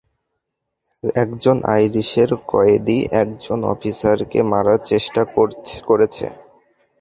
একজন আইরিশের কয়েদী একজন অফিসারকে মারার চেষ্টা করেছে।